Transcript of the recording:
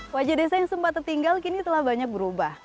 wajah desa yang sempat tertinggal kini telah banyak berubah